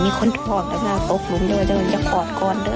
มีคนถอดแล้วค่ะโป๊บลงเด้อจะกอดก่อนเด้อ